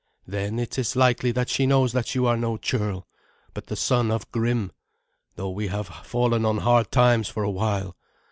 Then it is likely that she knows that you are no churl, but the son of Grim, though we have fallen on hard times for a while.